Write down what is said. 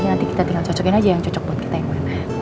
nanti kita tinggal cocokin aja yang cocok buat kita yang mana